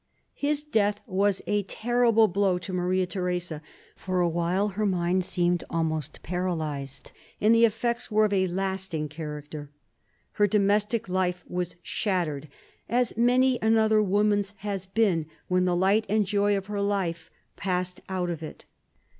His death was a terrible blow to Maria Theresa. For a while her mind seemed almost paralysed, and the effects were of a lasting character. Her domestic life was shattered, as many another woman's has been, when the light and joy of her life passed out of it.